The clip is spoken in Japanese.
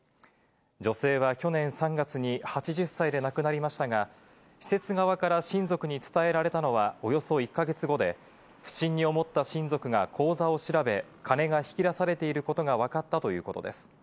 女性は去年３月に８０歳で亡くなりましたが、施設側から親族に伝えられたのはおよそ１か月後で、不審に思った親族が口座を調べ、金が引き出されていることがわかったということです。